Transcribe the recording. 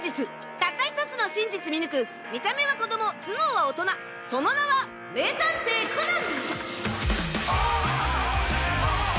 たった１つの真実見抜く見た目は子供頭脳は大人その名は名探偵コナン！